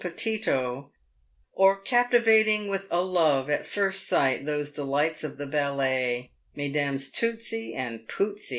Pettito, or captivating with a love at first sight those delights of the ballet, Mesdames Tootsi and Pootsi.